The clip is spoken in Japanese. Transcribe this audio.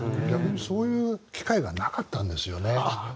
逆にそういう機会がなかったんですよね。